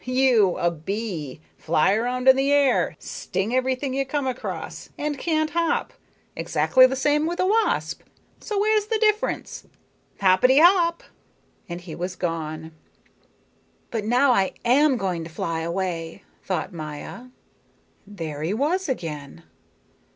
You, a bee, fly round in the air, sting everything you come across, and can't hop. Exactly the same with a wasp. So where's the difference? Hoppety hop!" And he was gone. "But now I am going to fly away," thought Maya. There he was again.